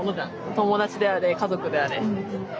友達であれ家族であれ。